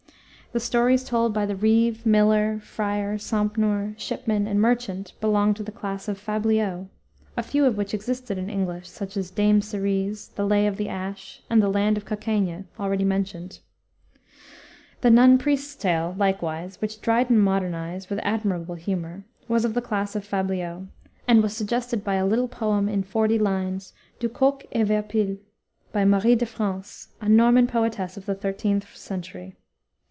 The stories told by the reeve, miller, friar, sompnour, shipman, and merchant, belong to the class of fabliaux, a few of which existed in English, such as Dame Siriz, the Lay of the Ash, and the Land of Cokaygne, already mentioned. The Nonne Preste's Tale, likewise, which Dryden modernized with admirable humor, was of the class of fabliaux, and was suggested by a little poem in forty lines, Dou Coc et Werpil, by Marie de France, a Norman poetess of the 13th century.